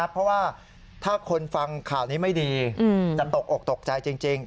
เพราะว่าถ้าคนฟังข่าวนี้ไม่ดีจะตกอกตกใจจริง